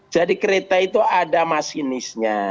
kereta itu ada masinisnya